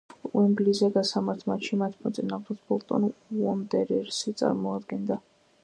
უემბლიზე გასამართ მატჩში მათ მოწინააღმდეგეს „ბოლტონ უონდერერსი“ წარმოადგენდა.